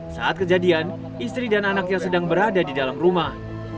saat kejadian istri dan anaknya sedang berada di dalam rumah